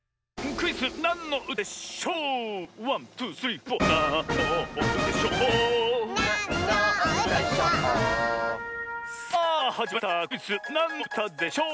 クイズ「なんのうたでしょう」！